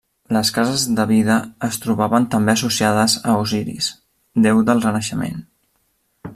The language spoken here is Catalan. Les cases de Vida es trobaven també associades a Osiris, déu del renaixement.